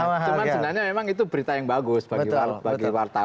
cuman sebenarnya memang itu berita yang bagus bagi wartawan